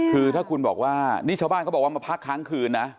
คือถ้าคุณบอกว่านี่ชาวบ้านเขาบอกว่ามาพักค้างคืนนะ